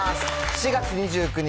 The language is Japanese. ４月２９日